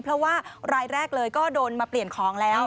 เพราะว่ารายแรกเลยก็โดนมาเปลี่ยนของแล้ว